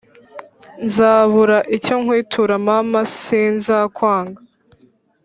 Nzabura icyonkwitura mama sinzakwanga